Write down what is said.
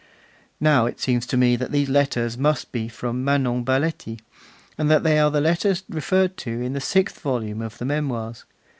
Now, it seems to me that these letters must be from Manon Baletti, and that they are the letters referred to in the sixth volume of the Memoirs.